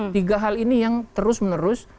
tiga hal ini yang terus menerus